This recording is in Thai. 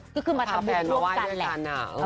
ก็คือมาทำมุกรวบกันแหละ